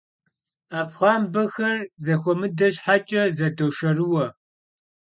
'epxhuambexer zexuemıde şheç'e zedoşşerıue.